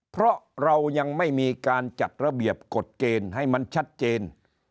เพราะเรายังไม่มีการจัดระเบียบกฎเกณฑ์ให้มันชัดเจน